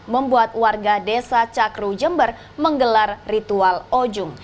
membuat warga desa cakru jember menggelar ritual ojung